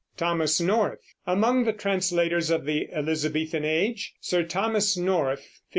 THOMAS NORTH. Among the translators of the Elizabethan Age Sir Thomas North (1535?